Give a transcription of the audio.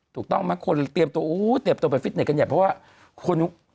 ถูกต้องไหมคนเตรียมตัวไปฟิตเน็ตกันอย่างเงี้ยเพราะว่าคน